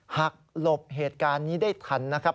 หลบเหตุการณ์นี้ได้ทันนะครับ